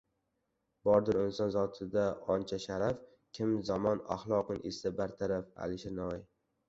Bordur inson zotida oncha sharaf, – Kim yamon axloqin etsa bartaraf. Alisher Navoiy